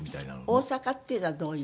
大阪っていうのはどういう。